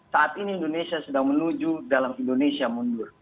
saat ini indonesia sedang menuju dalam indonesia mundur